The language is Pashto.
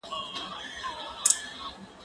هغه څوک چي کښېناستل کوي پوهه زياتوي،